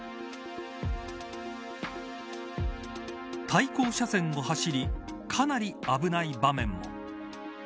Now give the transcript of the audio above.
対向車線を走りかなり危ない場面も。